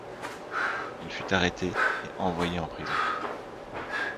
Il fut arrêté et envoyé en prison.